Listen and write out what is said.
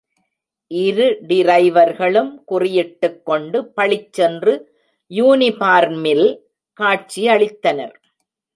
இரு டிரைவர்களும் குறியிட்டுக் கொண்டு பளிச்சென்று யூனிபார்ம் மில் காட்சியளித்தனர்.